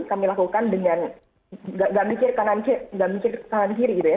kami lakukan dengan gak mikir kanan kiri gitu ya